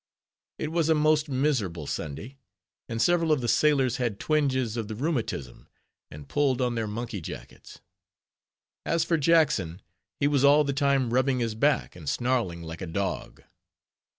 It was a most miserable Sunday; and several of the sailors had twinges of the rheumatism, and pulled on their monkey jackets. As for Jackson, he was all the time rubbing his back and snarling like a dog.